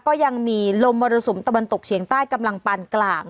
ก็ยังมีลมมรสุมตะวันตกเฉียงใต้กำลังปานกลาง